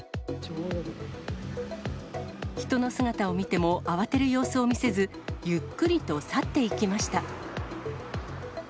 人の姿を見ても、慌てる様子を見せず、ゆっくりと去っていきました。